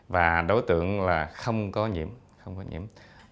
và đối tượng là không có nhiễm